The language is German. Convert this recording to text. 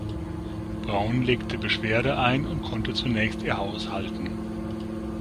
Braun legte Beschwerde ein und konnte zunächst ihr Haus halten.